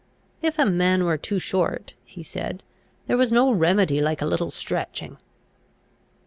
"If a man were too short," he said, "there was no remedy like a little stretching."